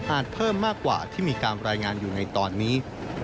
เพิ่มมากกว่าที่มีการรายงานอยู่ในตอนนี้